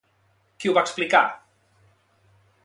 Qui ho va explicar?